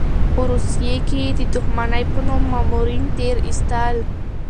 په روسيې کې یې د دښمنۍ په نوم مامورین تېر ایستل.